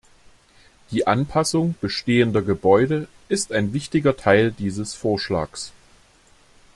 Die Anpassung bestehender Gebäude ist ein wichtiger Teil dieses Vorschlags.